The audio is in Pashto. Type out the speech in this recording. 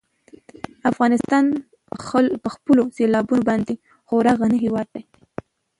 افغانستان په خپلو سیلابونو باندې خورا غني هېواد دی.